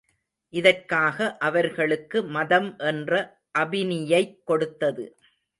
இதற்காக அவர்களுக்கு மதம் என்ற அபினியைக் கொடுத்தது.